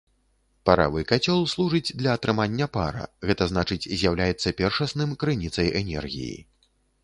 Паравы кацёл служыць для атрымання пара, гэта значыць з'яўляецца першасным крыніцай энергіі.